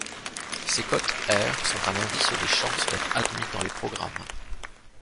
Ces cotes R sont un indice des chances d’être admis dans les programmes.